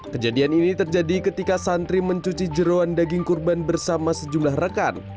kejadian ini terjadi ketika santri mencuci jeruan daging kurban bersama sejumlah rekan